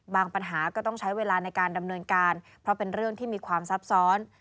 ปัญหาก็ต้องใช้เวลาในการดำเนินการเพราะเป็นเรื่องที่มีความซับซ้อน